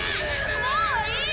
もういい！